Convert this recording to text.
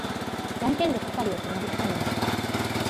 じゃんけんで係を決めることになった。